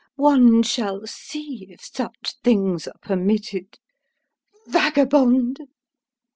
One shall see if such things are permitted! Vagabond!"